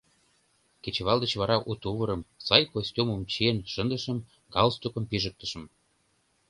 Кечывал деч вара у тувырым, сай костюмым чиен шындышым, галстукым пижыктышым.